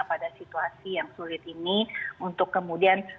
pada situasi yang sulit ini untuk kemudian